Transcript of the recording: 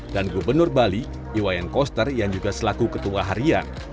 dan gubernur bali iwayen koster yang juga selaku ketua harian